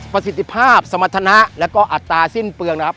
ประสิทธิภาพสมรรถนะแล้วก็อัตราสิ้นเปลืองนะครับ